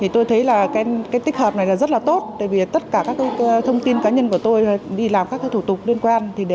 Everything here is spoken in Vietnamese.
tôi thấy tích hợp này rất là tốt tại vì tất cả các thông tin cá nhân của tôi đi làm các thủ tục liên quan